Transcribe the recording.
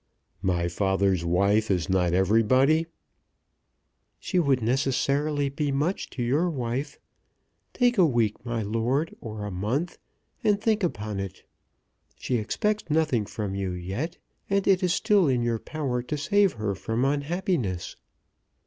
"My father's wife is not everybody." "She would necessarily be much to your wife. Take a week, my lord, or a month, and think upon it. She expects nothing from you yet, and it is still in your power to save her from unhappiness."